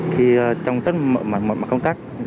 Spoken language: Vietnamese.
khi trong tất mọi mặt công tác